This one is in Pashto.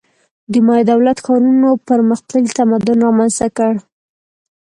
د مایا دولت-ښارونو پرمختللی تمدن رامنځته کړ.